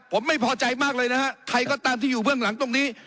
ผมไม่พอใจมากเลยนะฮะใครก็ตามที่อยู่เบื้องหลังตรงนี้